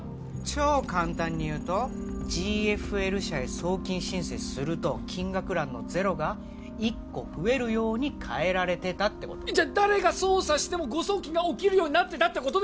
超簡単に言うとＧＦＬ社へ送金申請すると金額欄のゼロが１個増えるように変えられてたってことじゃ誰が操作しても誤送金が起きるようになってたってこと？